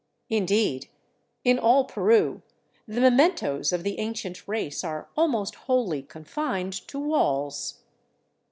Indeed, in all Peru the mementoes of the ancient race are almost wholly confined to walls.